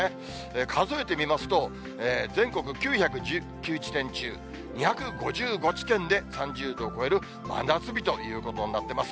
数えてみますと、全国９１９地点中２５５地点で、３０度を超える真夏日ということになってます。